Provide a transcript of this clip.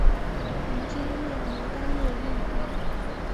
如今为某单位用房。